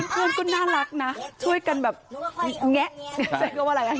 เพื่อนก็น่ารักนะช่วยกันแบบแงะใส่เค้าก็ว่าละกันแงะ